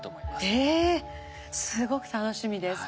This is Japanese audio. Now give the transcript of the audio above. えっすごく楽しみです。